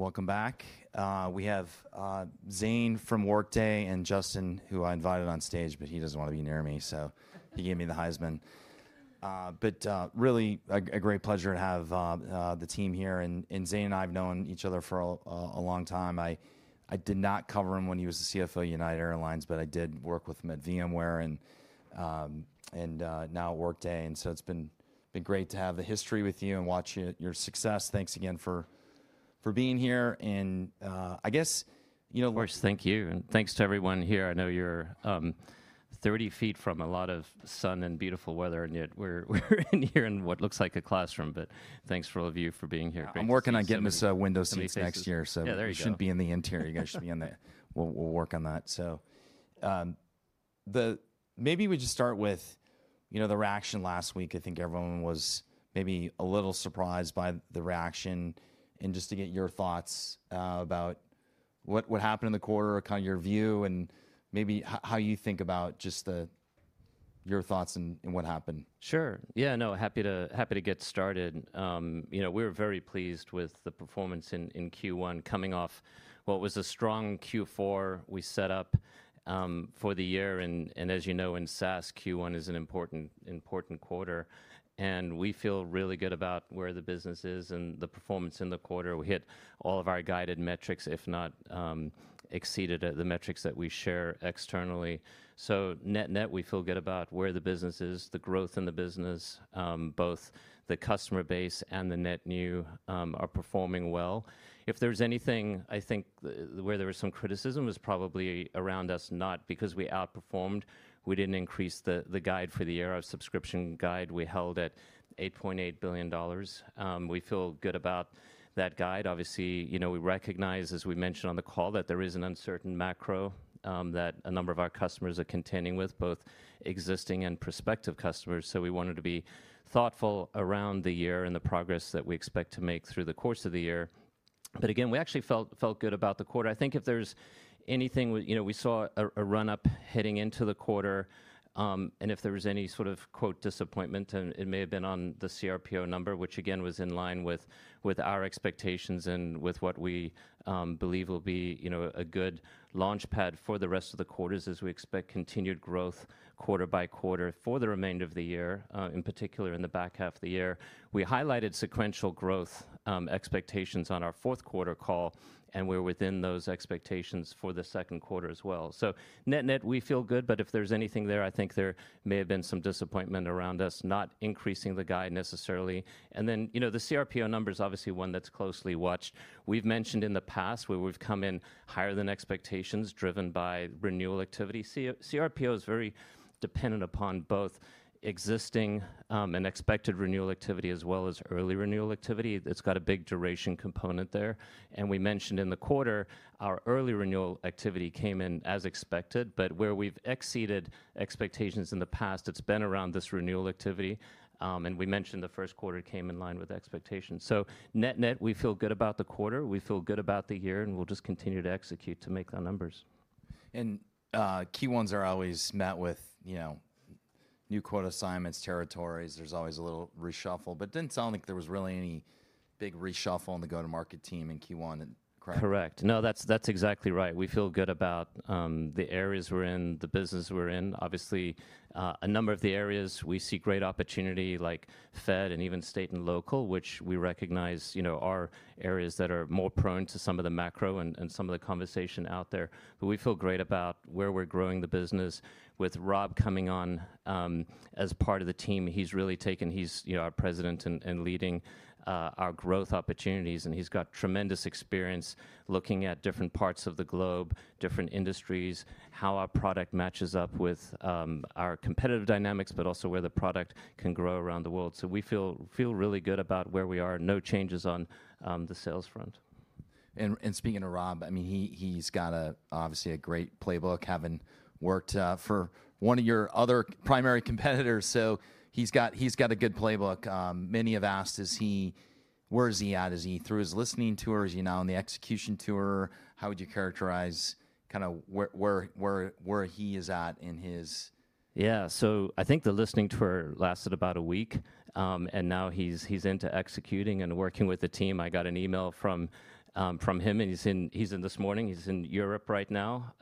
Welcome back. We have Zane from Workday and Justin, who I invited on stage, but he does not want to be near me, so he gave me the Heisman. But really, a great pleasure to have the team here. And Zane and I have known each other for a long time. I did not cover him when he was a CFO at United Airlines, but I did work with him at VMware and now at Workday. And so it has been great to have the history with you and watch your success. Thanks again for being here. And I guess, you know. Of course, thank you. And thanks to everyone here. I know you're 30 feet from a lot of sun and beautiful weather, and yet we're in here in what looks like a classroom. But thanks for all of you for being here. I'm working on getting us a window seat next year, so it should be in the interior. You guys should be in there. We'll work on that. Maybe we just start with the reaction last week. I think everyone was maybe a little surprised by the reaction. Just to get your thoughts about what happened in the quarter, kind of your view, and maybe how you think about just your thoughts and what happened. Sure. Yeah, no, happy to get started. We were very pleased with the performance in Q1 coming off what was a strong Q4 we set up for the year. As you know, in SaaS, Q1 is an important quarter. We feel really good about where the business is and the performance in the quarter. We hit all of our guided metrics, if not exceeded the metrics that we share externally. Net-net, we feel good about where the business is, the growth in the business, both the customer base and the net new are performing well. If there's anything I think where there was some criticism is probably around us not because we outperformed. We did not increase the guide for the year, our subscription guide. We held at $8.8 billion. We feel good about that guide. Obviously, we recognize, as we mentioned on the call, that there is an uncertain macro that a number of our customers are contending with, both existing and prospective customers. We wanted to be thoughtful around the year and the progress that we expect to make through the course of the year. Again, we actually felt good about the quarter. I think if there is anything, we saw a run-up heading into the quarter. If there was any sort of, quote, disappointment, it may have been on the cRPO number, which again was in line with our expectations and with what we believe will be a good launch pad for the rest of the quarters as we expect continued growth quarter by quarter for the remainder of the year, in particular in the back half of the year. We highlighted sequential growth expectations on our fourth quarter call, and we were within those expectations for the second quarter as well. Net-net, we feel good. If there is anything there, I think there may have been some disappointment around us not increasing the guide necessarily. The cRPO number is obviously one that is closely watched. We have mentioned in the past where we have come in higher than expectations driven by renewal activity. cRPO is very dependent upon both existing and expected renewal activity as well as early renewal activity. It has a big duration component there. We mentioned in the quarter, our early renewal activity came in as expected. Where we have exceeded expectations in the past, it has been around this renewal activity. We mentioned the first quarter came in line with expectations. Net-net, we feel good about the quarter. We feel good about the year, and we'll just continue to execute to make our numbers. Q1s are always met with new quarter assignments, territories. There is always a little reshuffle. It did not sound like there was really any big reshuffle on the go-to-market team in Q1, correct? Correct. No, that's exactly right. We feel good about the areas we're in, the business we're in. Obviously, a number of the areas we see great opportunity, like Fed and even state and local, which we recognize are areas that are more prone to some of the macro and some of the conversation out there. We feel great about where we're growing the business. With Rob coming on as part of the team, he's really taken, he's our President and leading our growth opportunities. He's got tremendous experience looking at different parts of the globe, different industries, how our product matches up with our competitive dynamics, but also where the product can grow around the world. We feel really good about where we are. No changes on the sales front. Speaking of Rob, I mean, he's got obviously a great playbook having worked for one of your other primary competitors. So he's got a good playbook. Many have asked, where is he at? Is he through his listening tour? Is he now on the execution tour? How would you characterize kind of where he is at in his? Yeah, so I think the listening tour lasted about a week. Now he's into executing and working with the team. I got an email from him, and he's in this morning. He's in Europe right now.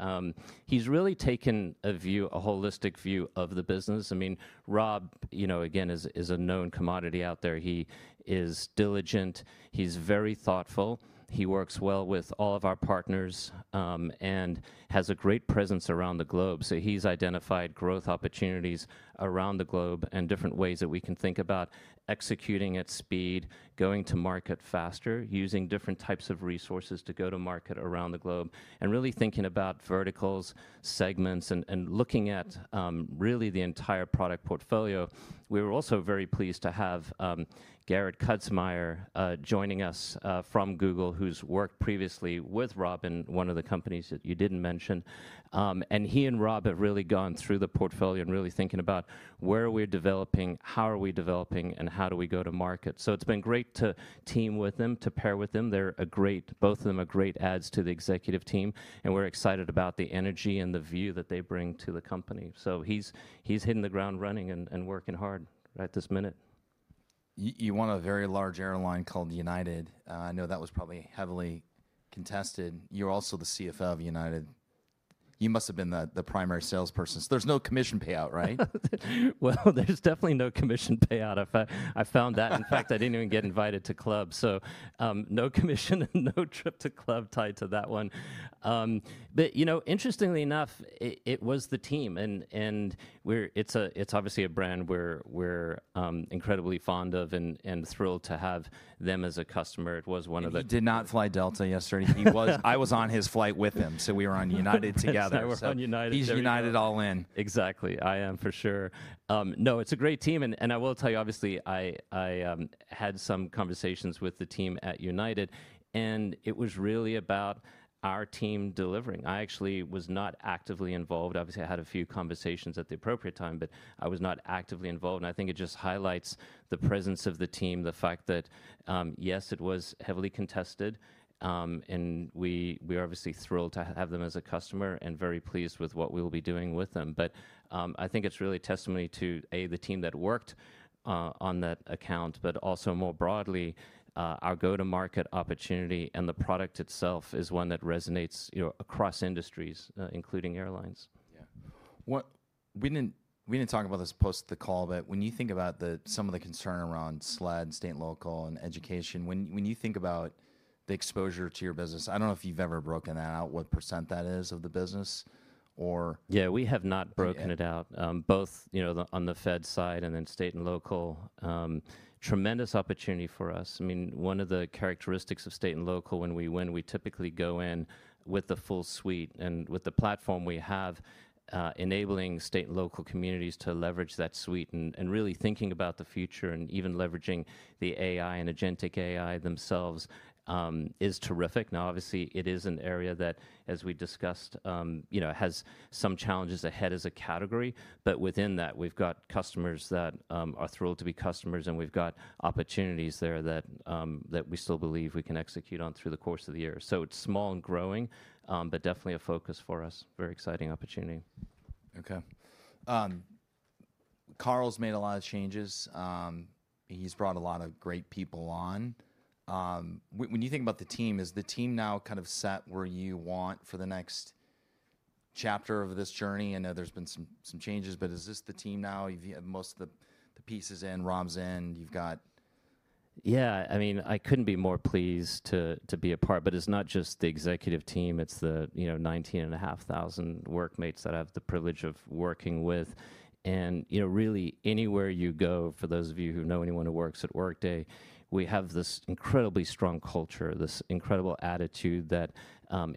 He's really taken a view, a holistic view of the business. I mean, Rob, again, is a known commodity out there. He is diligent. He's very thoughtful. He works well with all of our partners and has a great presence around the globe. He's identified growth opportunities around the globe and different ways that we can think about executing at speed, going to market faster, using different types of resources to go to market around the globe, and really thinking about verticals, segments, and looking at really the entire product portfolio. We were also very pleased to have Gerrit Kazmaier joining us from Google, who's worked previously with Rob in one of the companies that you didn't mention. He and Rob have really gone through the portfolio and really thinking about where we're developing, how are we developing, and how do we go to market. It's been great to team with them, to pair with them. They're both of them great adds to the executive team. We are excited about the energy and the view that they bring to the company. He's hitting the ground running and working hard right this minute. You won a very large airline called United. I know that was probably heavily contested. You're also the CFO of United. You must have been the primary salesperson. So there's no commission payout, right? There is definitely no commission payout. I found that. In fact, I did not even get invited to club. No commission and no trip to club tied to that one. Interestingly enough, it was the team. It is obviously a brand we are incredibly fond of and thrilled to have them as a customer. It was one of the. He did not fly Delta yesterday. I was on his flight with him. We were on United together. I was on United. He's United all in. Exactly. I am for sure. No, it's a great team. I will tell you, obviously, I had some conversations with the team at United. It was really about our team delivering. I actually was not actively involved. Obviously, I had a few conversations at the appropriate time, but I was not actively involved. I think it just highlights the presence of the team, the fact that, yes, it was heavily contested. We are obviously thrilled to have them as a customer and very pleased with what we will be doing with them. I think it's really a testimony to, A, the team that worked on that account, but also more broadly, our go-to-market opportunity. The product itself is one that resonates across industries, including airlines. Yeah. We did not talk about this post the call, but when you think about some of the concern around SLED, state and local, and education, when you think about the exposure to your business, I do not know if you have ever broken that out, what % that is of the business, or. Yeah, we have not broken it out, both on the Fed side and then state and local. Tremendous opportunity for us. I mean, one of the characteristics of state and local, when we win, we typically go in with the full suite. And with the platform we have, enabling state and local communities to leverage that suite and really thinking about the future and even leveraging the AI and agentic AI themselves is terrific. Now, obviously, it is an area that, as we discussed, has some challenges ahead as a category. But within that, we've got customers that are thrilled to be customers. And we've got opportunities there that we still believe we can execute on through the course of the year. So it's small and growing, but definitely a focus for us, very exciting opportunity. Okay. Carl's made a lot of changes. He's brought a lot of great people on. When you think about the team, is the team now kind of set where you want for the next chapter of this journey? I know there's been some changes, but is this the team now? Most of the pieces in, Rob's in. You've got. Yeah. I mean, I couldn't be more pleased to be a part. It's not just the executive team. It's the 19,500 workmates that I have the privilege of working with. Really, anywhere you go, for those of you who know anyone who works at Workday, we have this incredibly strong culture, this incredible attitude that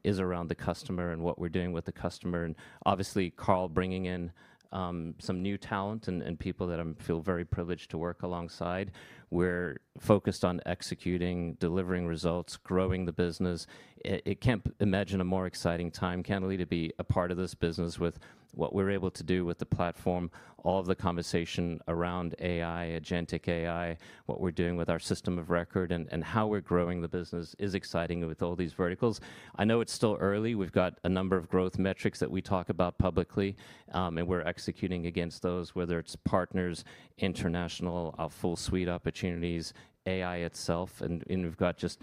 is around the customer and what we're doing with the customer. Obviously, Carl bringing in some new talent and people that I feel very privileged to work alongside. We're focused on executing, delivering results, growing the business. I can't imagine a more exciting time, can we, to be a part of this business with what we're able to do with the platform, all of the conversation around AI, agentic AI, what we're doing with our system of record, and how we're growing the business is exciting with all these verticals. I know it's still early. We've got a number of growth metrics that we talk about publicly. We're executing against those, whether it's partners, international, our full suite opportunities, AI itself. We've got just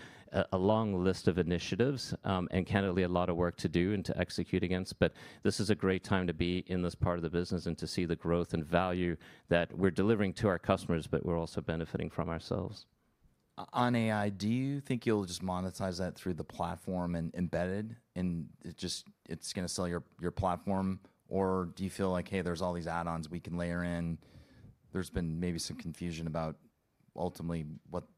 a long list of initiatives and candidly a lot of work to do and to execute against. This is a great time to be in this part of the business and to see the growth and value that we're delivering to our customers, but we're also benefiting from ourselves. On AI, do you think you'll just monetize that through the platform and embed it and just it's going to sell your platform? Or do you feel like, hey, there's all these add-ons we can layer in? There's been maybe some confusion about ultimately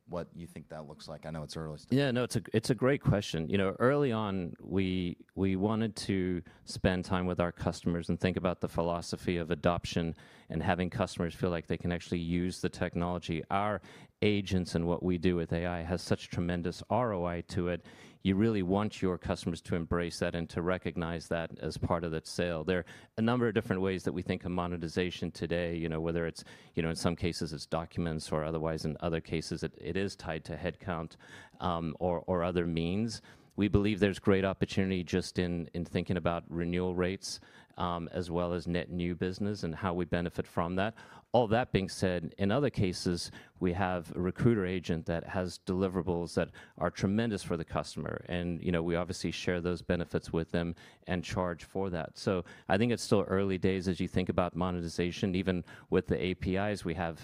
what you think that looks like. I know it's early still. Yeah, no, it's a great question. Early on, we wanted to spend time with our customers and think about the philosophy of adoption and having customers feel like they can actually use the technology. Our agents and what we do with AI has such tremendous ROI to it. You really want your customers to embrace that and to recognize that as part of that sale. There are a number of different ways that we think of monetization today, whether it's in some cases it's documents or otherwise in other cases it is tied to headcount or other means. We believe there's great opportunity just in thinking about renewal rates as well as net new business and how we benefit from that. All that being said, in other cases, we have a recruiter agent that has deliverables that are tremendous for the customer. We obviously share those benefits with them and charge for that. I think it's still early days as you think about monetization. Even with the APIs we have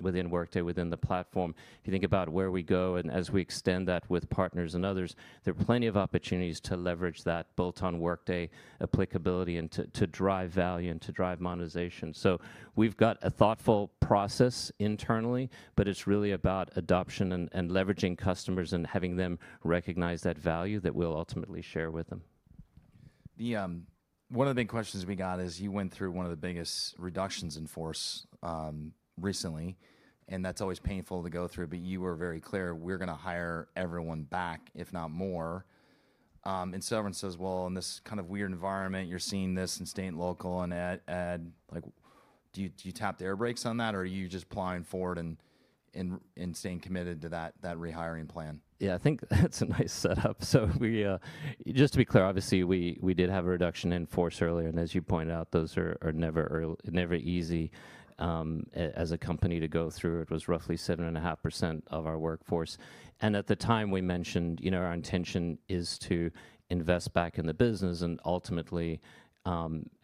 within Workday, within the platform, if you think about where we go and as we extend that with partners and others, there are plenty of opportunities to leverage that built on Workday applicability and to drive value and to drive monetization. We've got a thoughtful process internally, but it's really about adoption and leveraging customers and having them recognize that value that we'll ultimately share with them. One of the big questions we got is you went through one of the biggest reductions in force recently. That is always painful to go through. You were very clear, we're going to hire everyone back, if not more. In severance as well, in this kind of weird environment, you're seeing this in state and local and, do you tap the air brakes on that? Are you just plowing forward and staying committed to that rehiring plan? Yeah, I think that's a nice setup. Just to be clear, obviously, we did have a reduction in force earlier. As you pointed out, those are never easy as a company to go through. It was roughly 7.5% of our workforce. At the time, we mentioned our intention is to invest back in the business and ultimately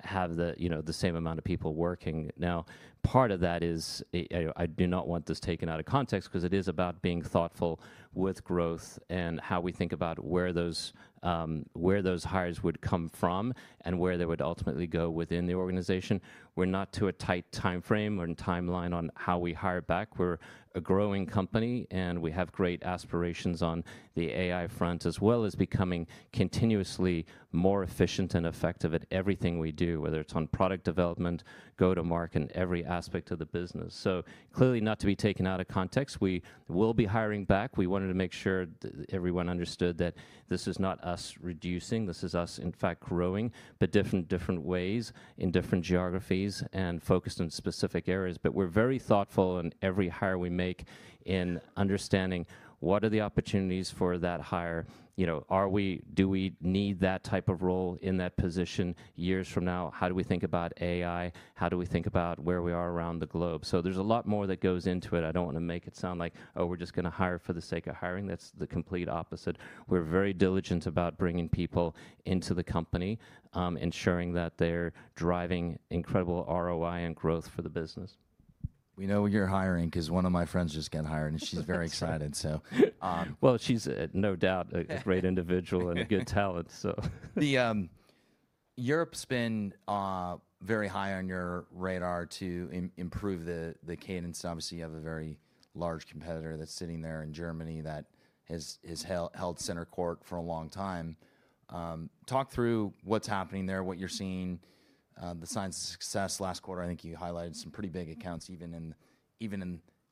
have the same amount of people working. Now, part of that is I do not want this taken out of context because it is about being thoughtful with growth and how we think about where those hires would come from and where they would ultimately go within the organization. We're not to a tight time frame or timeline on how we hire back. We're a growing company. We have great aspirations on the AI front as well as becoming continuously more efficient and effective at everything we do, whether it's on product development, go-to-market, and every aspect of the business. Clearly not to be taken out of context. We will be hiring back. We wanted to make sure everyone understood that this is not us reducing. This is us, in fact, growing but different ways in different geographies and focused on specific areas. We're very thoughtful in every hire we make in understanding what are the opportunities for that hire. Do we need that type of role in that position years from now? How do we think about AI? How do we think about where we are around the globe? There's a lot more that goes into it. I don't want to make it sound like, oh, we're just going to hire for the sake of hiring. That's the complete opposite. We're very diligent about bringing people into the company, ensuring that they're driving incredible ROI and growth for the business. We know you're hiring because one of my friends just got hired. She's very excited, so. She’s no doubt a great individual and a good talent, so. Europe's been very high on your radar to improve the cadence. Obviously, you have a very large competitor that's sitting there in Germany that has held center court for a long time. Talk through what's happening there, what you're seeing, the signs of success. Last quarter, I think you highlighted some pretty big accounts even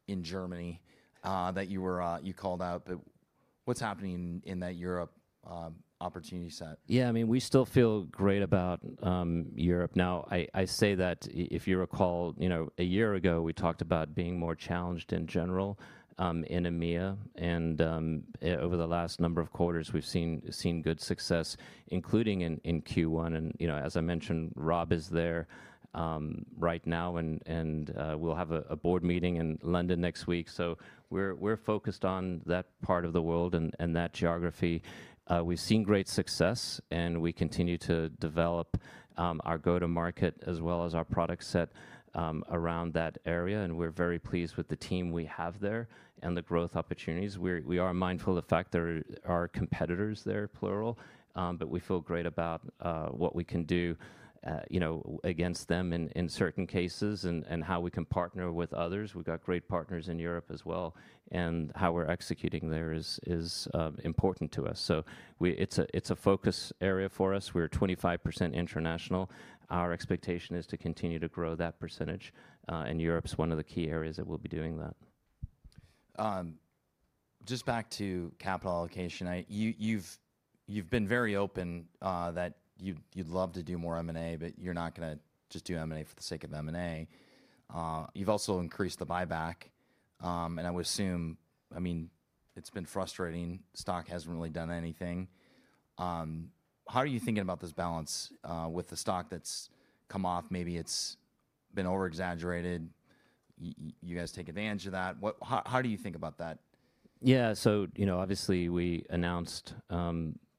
in Germany that you called out. What is happening in that Europe opportunity set? Yeah, I mean, we still feel great about Europe. Now, I say that if you recall, a year ago, we talked about being more challenged in general in EMEA. Over the last number of quarters, we've seen good success, including in Q1. As I mentioned, Rob is there right now. We will have a board meeting in London next week. We are focused on that part of the world and that geography. We've seen great success. We continue to develop our go-to-market as well as our product set around that area. We are very pleased with the team we have there and the growth opportunities. We are mindful of the fact there are competitors there, plural. We feel great about what we can do against them in certain cases and how we can partner with others. We've got great partners in Europe as well. How we're executing there is important to us. It's a focus area for us. We're 25% international. Our expectation is to continue to grow that percentage. Europe's one of the key areas that we'll be doing that. Just back to capital allocation. You've been very open that you'd love to do more M&A, but you're not going to just do M&A for the sake of M&A. You've also increased the buyback. I would assume, I mean, it's been frustrating. Stock hasn't really done anything. How are you thinking about this balance with the stock that's come off? Maybe it's been overexaggerated. You guys take advantage of that. How do you think about that? Yeah. Obviously, we announced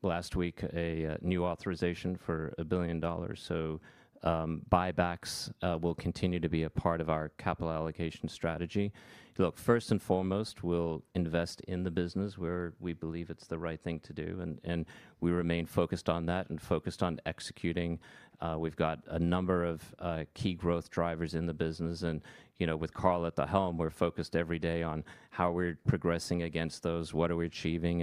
last week a new authorization for $1 billion. Buybacks will continue to be a part of our capital allocation strategy. Look, first and foremost, we'll invest in the business where we believe it's the right thing to do. We remain focused on that and focused on executing. We've got a number of key growth drivers in the business. With Carl at the helm, we're focused every day on how we're progressing against those, what are we achieving.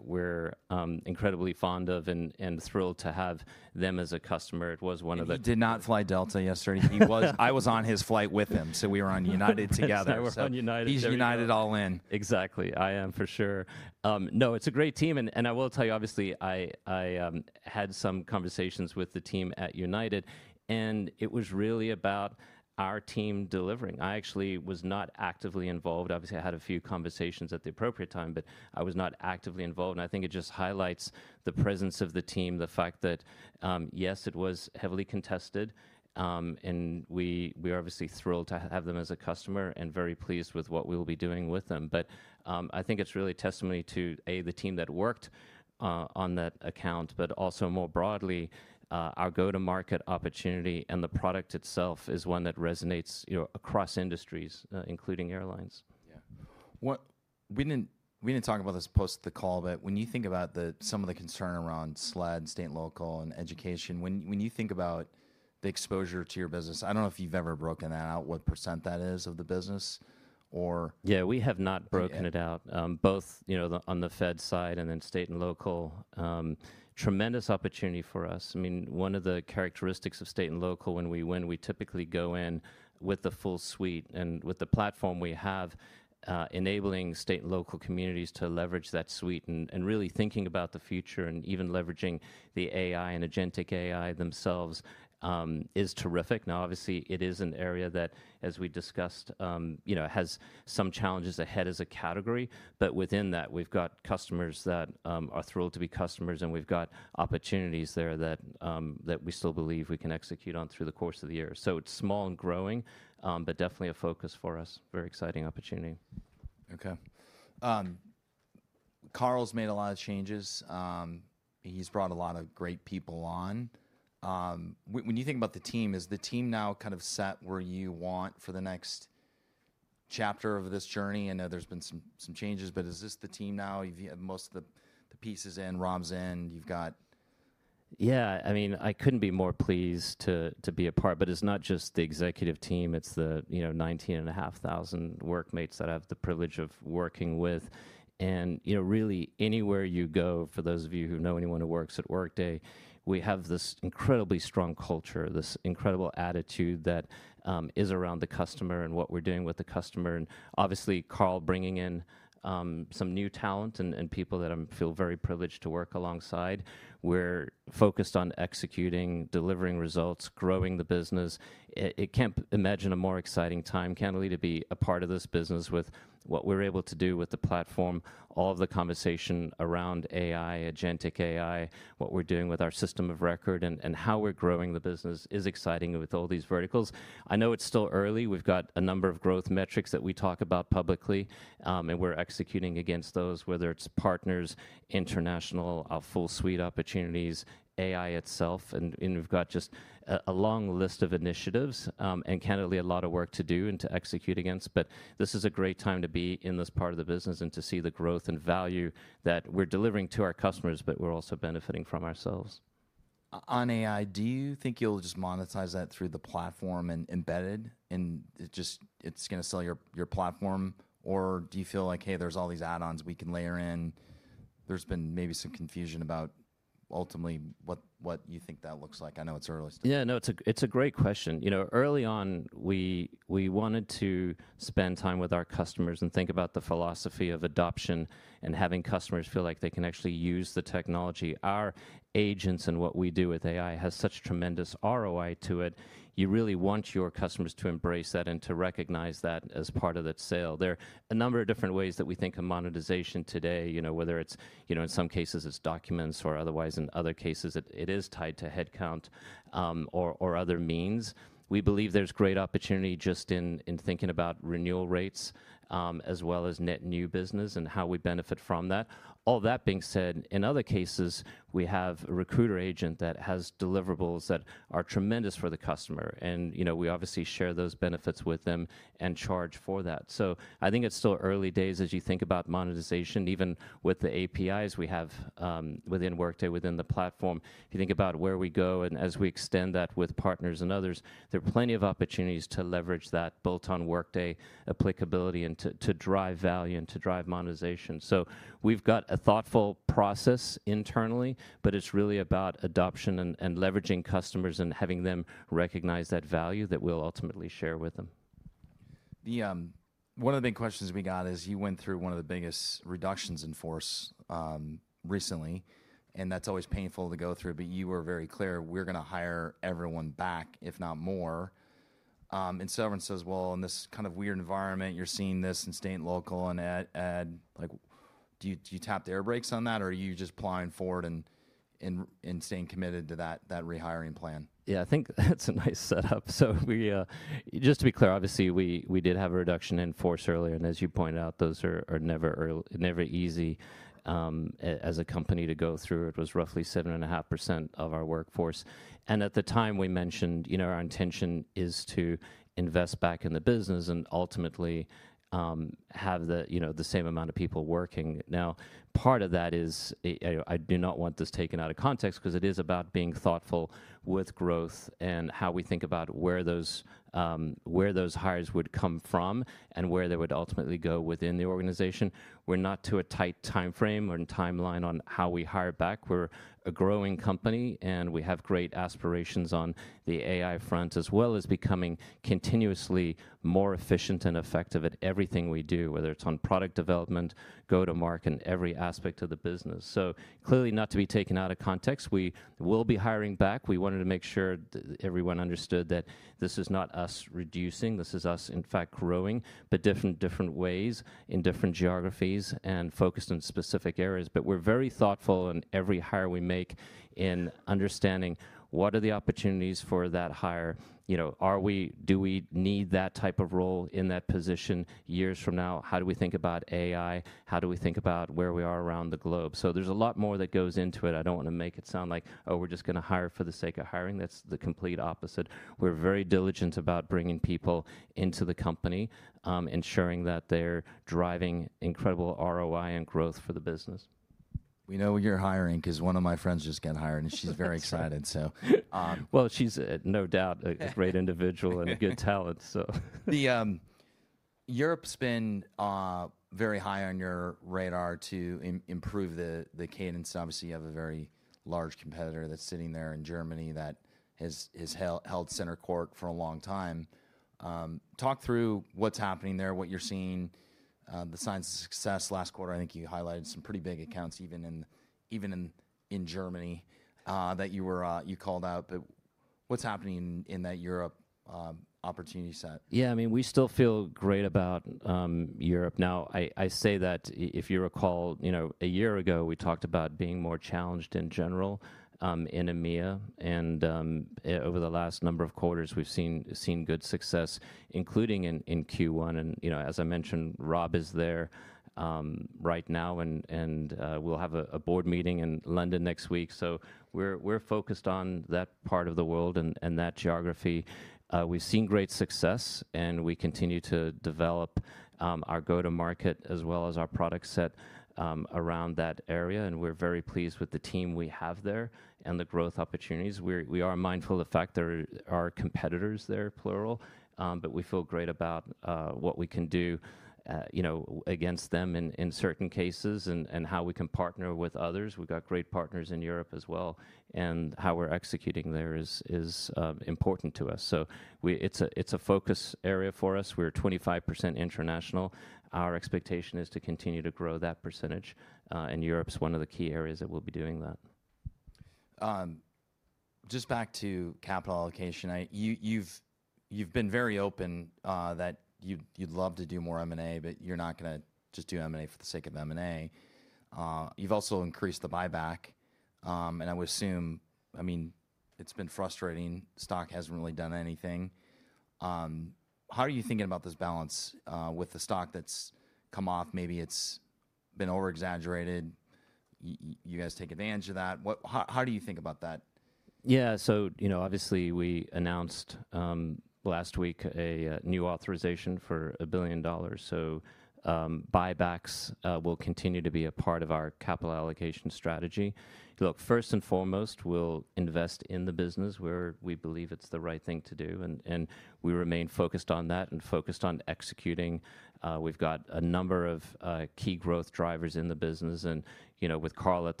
There's a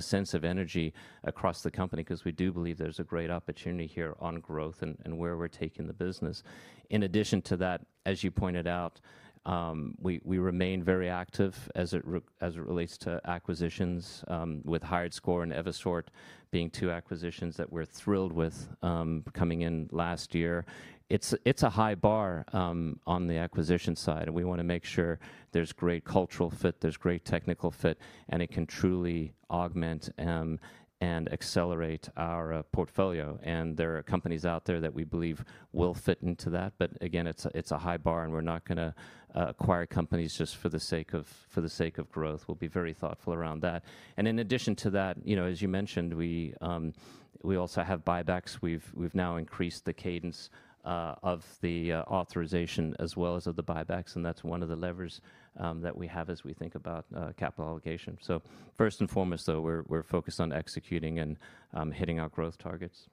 sense of energy across the company because we do believe there's a great opportunity here on growth and where we're taking the business. In addition to that, as you pointed out, we remain very active as it relates to acquisitions with HiredScore and Evisort being two acquisitions that we're thrilled with coming in last year. It's a high bar on the acquisition side. We want to make sure there's great cultural fit, there's great technical fit, and it can truly augment and accelerate our portfolio. There are companies out there that we believe will fit into that. Again, it's a high bar. We're not going to acquire companies just for the sake of growth. We'll be very thoughtful around that. In addition to that, as you mentioned, we also have buybacks. We've now increased the cadence of the authorization as well as of the buybacks. That's one of the levers that we have as we think about capital allocation. First and foremost, though, we're focused on executing and hitting our growth targets.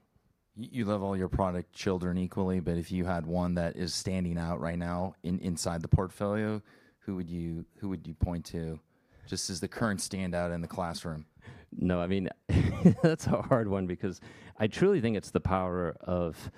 You love all your product children equally. If you had one that is standing out right now inside the portfolio, who would you point to just as the current standout in the classroom? No, I mean, that's a hard one because I truly think it's the power of